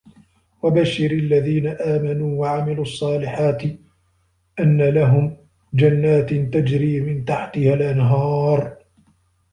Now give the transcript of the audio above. وَبَشِّرِ الَّذِينَ آمَنُوا وَعَمِلُوا الصَّالِحَاتِ أَنَّ لَهُمْ جَنَّاتٍ تَجْرِي مِنْ تَحْتِهَا الْأَنْهَارُ